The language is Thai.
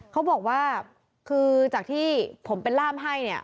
เขาบอกว่าคือจากที่ผมเป็นล่ามให้เนี่ย